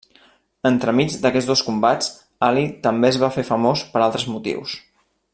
Entremig d'aquests dos combats, Ali també es va fer famós per altres motius.